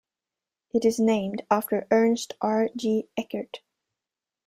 It is named after Ernst R. G. Eckert.